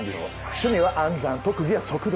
趣味は暗算特技は速読。